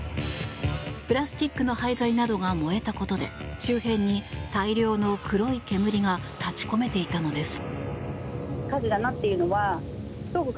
プラスチックの廃材などが燃えたことで周辺に大量の黒い煙が立ち込めていたのです。